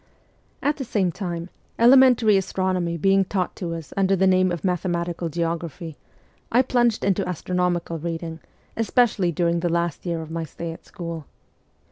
At the same time, elementary astronomy being taught to us under the name of mathematical geography, I plunged into astronomical reading, especially during the last year of my stay at school.